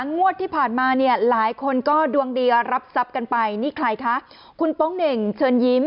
งวดที่ผ่านมาเนี่ยหลายคนก็ดวงดีรับทรัพย์กันไปนี่ใครคะคุณโป๊งเหน่งเชิญยิ้ม